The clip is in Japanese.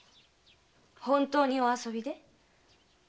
本当にお遊びで？